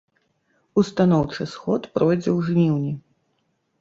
Устаноўчы сход пройдзе ў жніўні.